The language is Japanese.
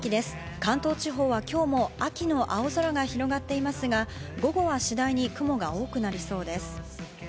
関東地方は今日も秋の青空が広がっていますが、午後は次第に雲が多くなりそうです。